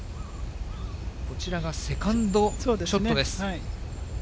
こちらがセカンドショットです。